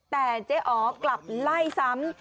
แต่เจ๊อ๋อกลับไล่ซ้ำ